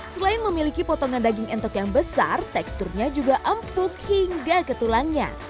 selain memiliki potongan daging entok yang besar teksturnya juga empuk hingga ke tulangnya